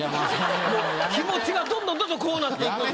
もう気持ちがどんどんどんどんこうなっていくんで。